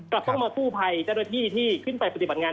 กลับต้องมาคู่ภัยเจรฐีที่ขึ้นไปปฏิบัติงาน